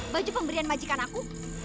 baju pemberian majikan aku